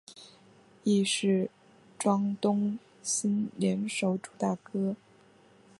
亦是庄冬昕联手主打歌。